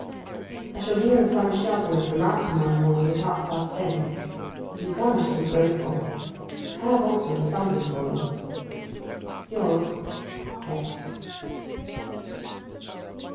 I shall be in the summer shelter of the mount to morrow morning at half past ten. If you come I shall be grateful. I have also something for you. Yours, X.